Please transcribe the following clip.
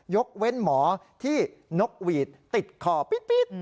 ยกเว้นหมอที่นกหวีดติดคอปิ๊ด